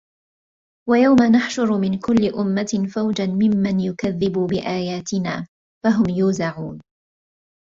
وَيَومَ نَحشُرُ مِن كُلِّ أُمَّةٍ فَوجًا مِمَّن يُكَذِّبُ بِآياتِنا فَهُم يوزَعونَ